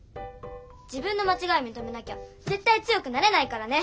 自分のまちがいみとめなきゃぜったい強くなれないからね！